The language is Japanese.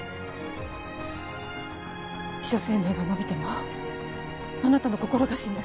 秘書生命が延びてもあなたの心が死ぬ。